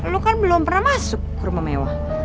lo kan belum pernah masuk ke rumah mewah